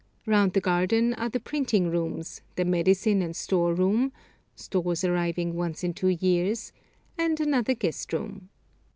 Round the garden are the printing rooms, the medicine and store room (stores arriving once in two years), and another guest room.